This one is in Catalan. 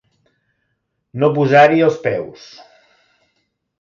No posar-hi els peus.